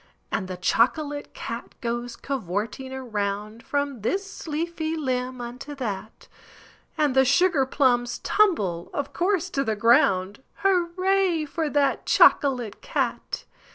And the chocolate cat goes covorting around From this leafy limb unto that, And the sugar plums tumble, of course, to the ground Hurray for that chocolate cat!